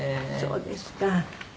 そうですか。